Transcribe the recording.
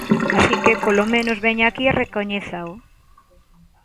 Así que, polo menos, veña aquí e recoñézao.